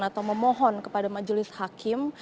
atau memohon kepada majelis hakim